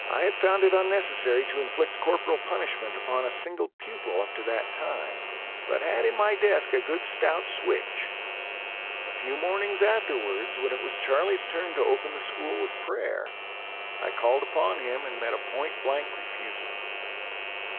I had found it unnecessary to inflict corporal punishment upon a single pupil up to that time, but had in my desk a good stout switch. A few mornings afterwards when it was Charlie's turn to open the school with prayer, I called upon him and met a point blank refusal.